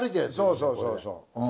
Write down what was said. そうそうそうそう。